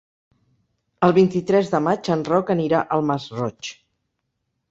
El vint-i-tres de maig en Roc anirà al Masroig.